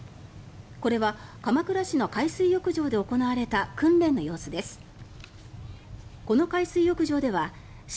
これは、鎌倉市の海水浴場で行われた訓練の様子です。